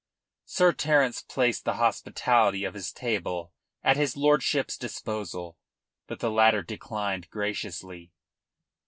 Sir Terence placed the hospitality of his table at his lordship's disposal. But the latter declined graciously.